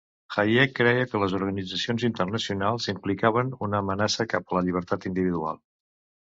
Hayek creia que les organitzacions internacionals implicaven una amenaça cap a llibertat individual.